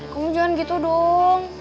kamu jangan gitu dong